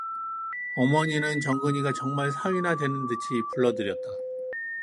어머니는 정근이가 정말 사위나 되는 듯이 불러들였다.